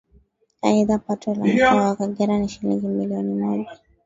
Aidha Pato la Mkoa wa Kagera ni Shilingi milioni moja